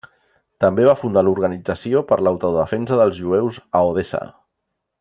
També va fundar l'Organització per l'autodefensa dels jueus a Odessa.